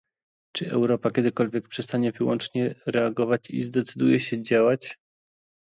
Czy Europa kiedykolwiek przestanie wyłącznie reagować i zdecyduje się działać?